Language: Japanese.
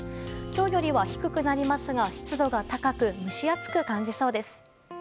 今日よりは低くなりますが湿度が高く蒸し暑く感じそうです。